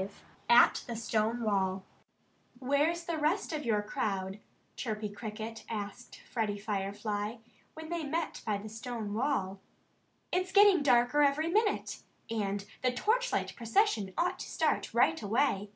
V AT THE STONE WALL "Where's the rest of your crowd?" Chirpy Cricket asked Freddie Firefly, when they met by the stone wall. "It's getting darker every minute. And the torchlight procession ought to start right away."